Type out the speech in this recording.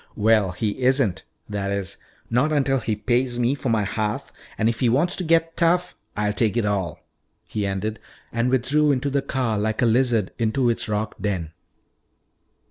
"Well, he isn't. That is, not until he pays me for my half. And if he wants to get tough, I'll take it all," he ended, and withdrew into the car like a lizard into its rock den.